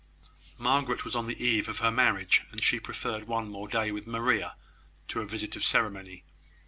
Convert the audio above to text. Margaret was on the eve of her marriage, and she preferred one more day with Maria, to a visit of ceremony.